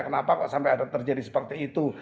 kenapa kok sampai ada terjadi seperti itu